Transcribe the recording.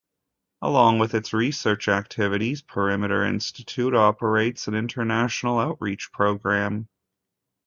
Along with its research activities, Perimeter Institute operates an international outreach program.